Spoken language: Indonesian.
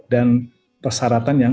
dan persyaratan yang